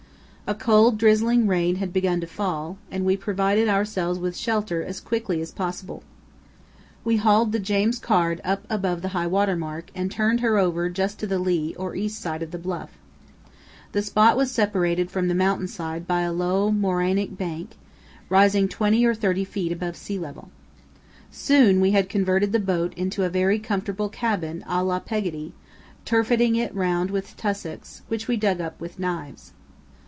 A cold, drizzling rain had begun to fall, and we provided ourselves with shelter as quickly as possible. We hauled the James Caird up above highwater mark and turned her over just to the lee or east side of the bluff. The spot was separated from the mountain side by a low morainic bank, rising twenty or thirty feet above sea level. Soon we had converted the boat into a very comfortable cabin à la Peggotty, turfing it round with tussocks, which we dug up with knives.